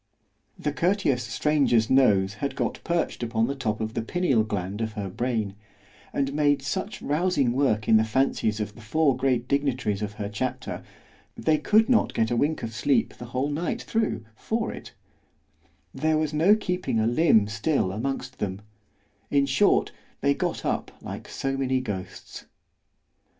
The courteous stranger's nose had got perched upon the top of the pineal gland of her brain, and made such rousing work in the fancies of the four great dignitaries of her chapter, they could not get a wink of sleep the whole night thro' for it——there was no keeping a limb still amongst them——in short, they got up like so many ghosts.